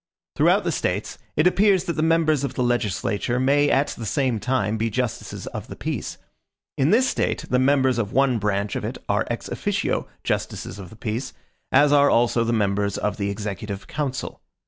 Throughout the States, it appears that the members of the legislature may at the same time be justices of the peace; in this State, the members of one branch of it are EX OFFICIO justices of the peace; as are also the members of the executive council.